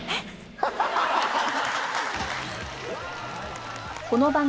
ハハハハ！